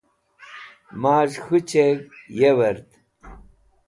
maz̃h k̃hu chẽgh yewerd